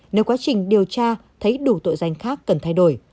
nếu quá trình điều tra thấy đủ tội danh khác cần thay đổi